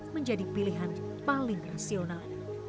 menjadi pilihan paling rasional